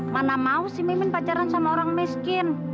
mana mau sih mimin pacaran sama orang miskin